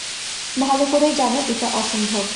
ভালো করেই জানো এটা অসম্ভব।